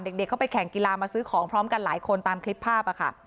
เด็กเข้าไปแข่งกีฬามาซื้อของพร้อมกันหลายคนตามคลิปภาพค่ะ